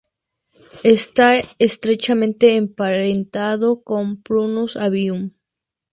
Está estrechamente emparentado con "Prunus avium".